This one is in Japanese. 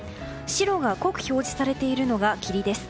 白が濃く表示されているのが霧です。